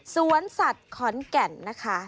สวนสัตว์ขอนแก่นนะคะ